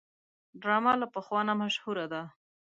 ډرامه له پخوا نه مشهوره ده